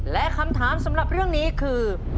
และคำถามสำหรับเรื่องนี้คือ